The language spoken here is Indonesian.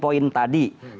sehingga tadi dengan jelas